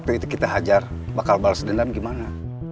waktu itu kita hajar bakal balas dendam gimana